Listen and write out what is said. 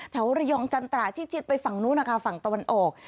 แถวระยองจันตราชิดไปฝั่งนู้นนะคะฝั่งตะวันออก